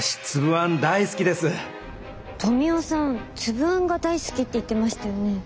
富雄さんつぶあんが大好きって言ってましたよね？